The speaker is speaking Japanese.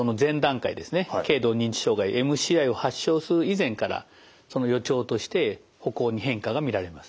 軽度認知障害ＭＣＩを発症する以前からその予兆として歩行に変化が見られます。